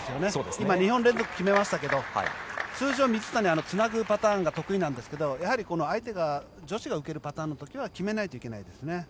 今、２本連続で決めましたけど通常、水谷はつなぐパターンが得意なんですが相手が女子が取るパターンの時は決めないといけないですね。